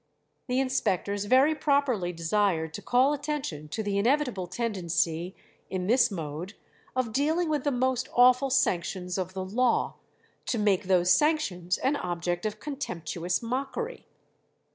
The inspectors very properly desired to call attention to the inevitable tendency in this mode of dealing with "the most awful sanctions of the law," to make those sanctions an object of contemptuous mockery.